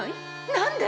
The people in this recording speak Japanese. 何で？